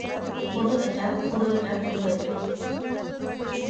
খোলো এটা, খোলো এটা, খোলো এটা।